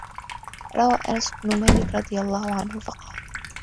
رَوَى أَنَسُ بْنُ مَالِكٍ رَضِيَ اللَّهُ عَنْهُ قَالَ